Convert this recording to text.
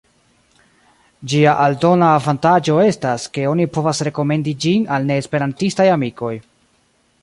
Ĝia aldona avantaĝo estas, ke oni povas rekomendi ĝin al neesperantistaj amikoj.